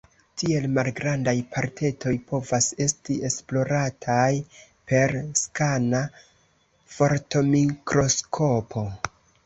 Tiel malgrandaj partetoj povas esti esplorataj per skana fortomikroskopo.